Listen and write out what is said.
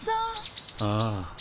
ああ。